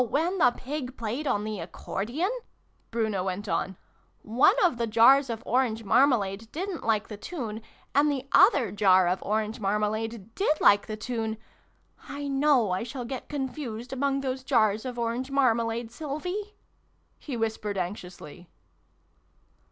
So, when the Pig played on the Accordion," Bruno went on, " one of the Jars of Orange marmalade didn't like the tune, and the other Jar of Orange marmalade did like the tune I know I shall get confused among those Jars of Orange marmalade, Sylvie !" he whispered anxiously.